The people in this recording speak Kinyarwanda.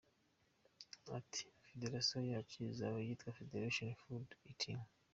Ati ``federasiyo yacu izaba yitwa Federation Food Eating ".